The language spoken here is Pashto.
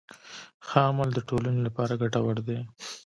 ښه عمل د ټولنې لپاره ګټور دی.